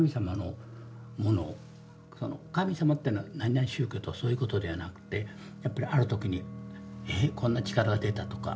神様ってのは何々宗教とかそういうことではなくてやっぱりある時にえっこんな力が出たとか。